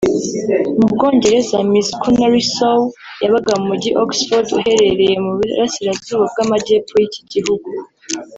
Mu Bwongereza Miss Counary Sow yabaga mu Mujyi Oxford uherereye mu Burasirazuba bw’Amajyepfo y’iki gihugu